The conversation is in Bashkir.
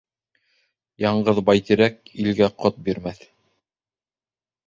Яңғыҙ байтирәк илгә ҡот бирмәҫ.